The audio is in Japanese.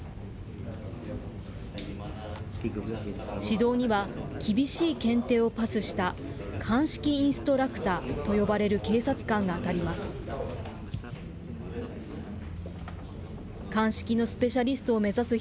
指導には、厳しい検定をパスした鑑識インストラクターと呼ばれる警察官が当たります。